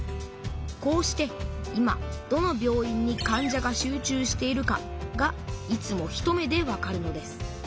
こうして今どの病院に患者が集中しているかがいつも一目でわかるのです。